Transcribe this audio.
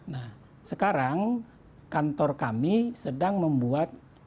nah sekarang kantor kami sedang membuat